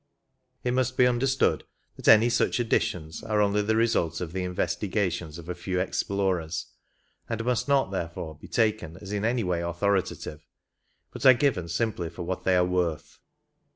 It must be understood that any such additions are only the result of the investigations of a few explorers, and must not, therefore, be taken as in any way authoritative, but are given simply for what they are worth.